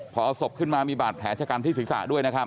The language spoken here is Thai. พอเอาศพขึ้นมามีบาดแผนจากการพิษศึกษาด้วยนะครับ